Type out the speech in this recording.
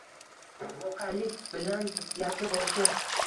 voqelik bilan ziddiyatga borishi